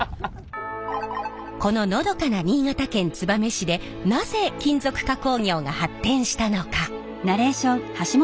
こののどかな新潟県燕市でなぜ金属加工業が発展したのか。